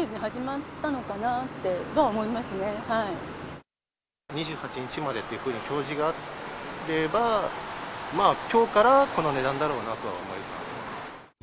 そうですね、２８日までと表示があれば、まあ、きょうからこの値段だろうなとは思います。